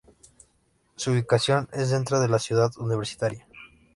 Su ubicación es dentro de la ciudad universitaria.